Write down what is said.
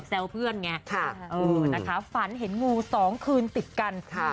แซวเพื่อนไงค่ะเออนะคะฝันเห็นงูสองคืนติดกันค่ะ